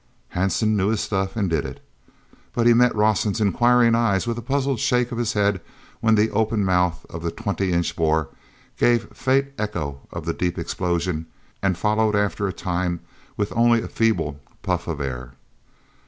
anson knew his stuff and did it. But he met Rawson's inquiring eyes with a puzzled shake of his head when the open mouth of the twenty inch bore gave faint echo of the deep explosion and followed after a time with only a feeble puff of air.